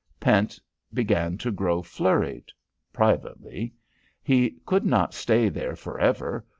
Pent began to grow flurried privately. He could not stay there for ever.